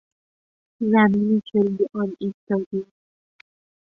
زمینی که روی آن ایستادیم